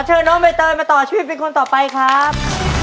เชิญน้องใบเตยมาต่อชีวิตเป็นคนต่อไปครับ